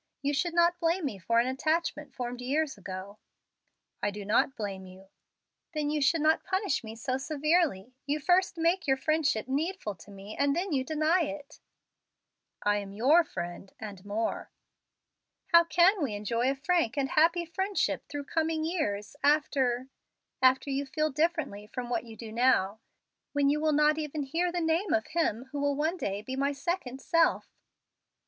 You should not blame me for an attachment formed years ago." "I do not blame you." "Then you should not punish me so severely. You first make your friendship needful to me, and then you deny it." "I am your friend, and more." "How can we enjoy a frank and happy friendship through coming years, after after you feel differently from what you do now, when you will not even hear the name of him who will one day be my second self?"